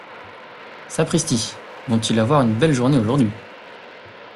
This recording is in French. Sapristi ! vont-ils avoir une belle journée aujourd’hui !